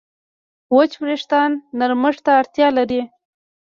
وچ وېښتيان نرمښت ته اړتیا لري.